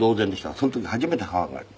その時初めて母が出て。